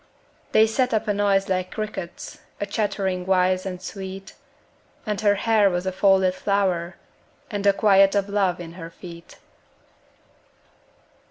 They set up a noise like crickets, A chattering wise and sweet, And her hair was a folded flower And the quiet of love in her feet.